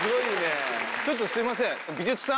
ちょっとすいません。